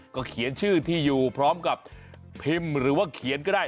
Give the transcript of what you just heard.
ก็เขียนชื่อที่อยู่พร้อมกับพิมพ์หรือว่าเขียนก็ได้